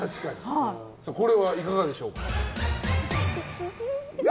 これはいかがでしょう？